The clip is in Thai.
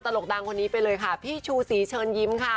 กดังคนนี้ไปเลยค่ะพี่ชูศรีเชิญยิ้มค่ะ